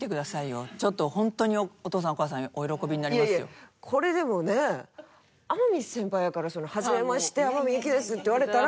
いやいやこれでもね天海先輩やから「はじめまして天海祐希です」って言われたら。